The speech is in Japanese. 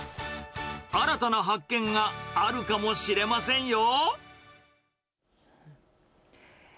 新たな発見があるかもしれませんよ。